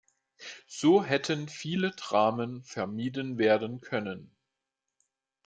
So hätten viele Dramen vermieden werden können.